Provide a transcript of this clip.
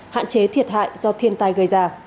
hạn chế thiệt hại do thiên tai gây ra